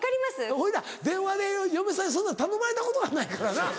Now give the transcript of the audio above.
俺ら電話で嫁さんにそんなん頼まれたことがないからな。